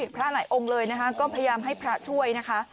พระหลายองค์เลยนะคะก็พยายามให้พระช่วยนะคะ